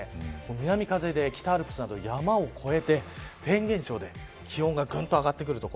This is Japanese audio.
南風で北アルプスなど山を越えてフェーン現象で気温が、ぐんと上がる所。